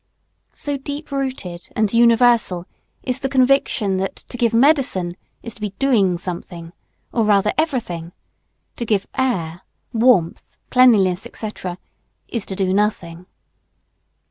so deep rooted and universal is the conviction that to give medicine is to be doing something, or rather everything; to give air, warmth, cleanliness, &c., is to do nothing.